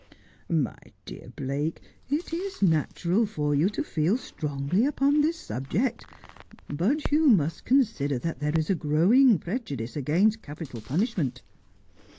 ' My dear Blake, it is natural for you to feel strongly upon this subject, but you must consider that there is a growing pre judice against capital punishment.'